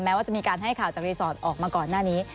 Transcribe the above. ว่าจะมีการให้ข่าวจากรีสอร์ทออกมาก่อนหน้านี้